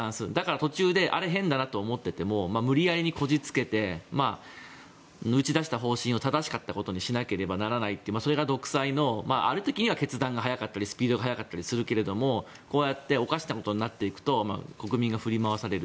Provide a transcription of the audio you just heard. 途中で変だなと思っても無理矢理にこじつけて打ち出した方針を正しかったことにしなければならないというそれが独裁の、ある時には決断が早かったりスピードが速かったりするけれどこうやっておかしなことになっていくと国民が振り回される。